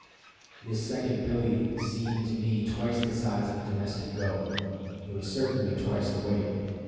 ] This second billy seemed to me twice the size of a domestic goat. He was certainly twice the weight.